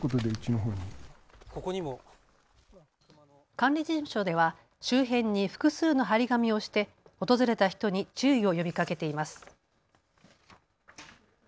管理事務所では周辺に複数の貼り紙をして訪れた人に注意を呼びかけています。